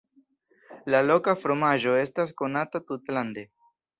La loka fromaĝo estas konata tutlande.